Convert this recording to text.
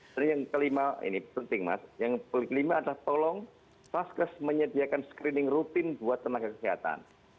jadi yang kelima ini penting mas yang kelima adalah tolong fasilitas kesehatan menyediakan screening rutin buat tenaga kesehatan